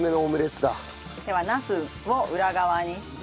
ではナスを裏側にして。